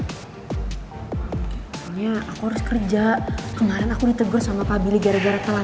pokoknya aku harus kerja kemarin aku ditegur sama pak billy gara gara kalah